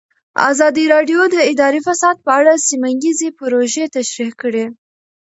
ازادي راډیو د اداري فساد په اړه سیمه ییزې پروژې تشریح کړې.